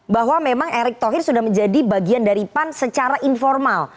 bahwa memang erick thohir sudah menjadi bagian dari pan secara informal